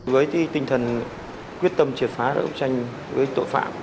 với tinh thần quyết tâm triệt phá rộng tranh với tội phạm